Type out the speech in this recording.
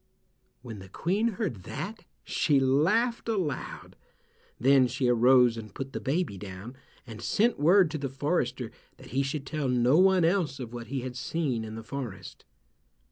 When the Queen heard that, she laughed aloud. Then she arose and put the baby down, and sent word to the forester that he should tell no one else of what he had seen in the forest.